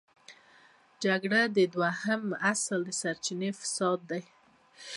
د جګړې د دوام اصلي سرچينه فساد دی.